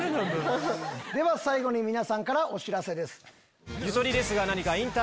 では最後に皆さんからお知らせです。